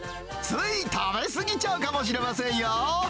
つい食べ過ぎちゃうかもしれませんよ。